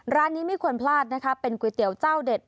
ร้านนี้ไม่ควรพลาดนะคะเป็นก๋วยเตี๋ยวเจ้าเด็ด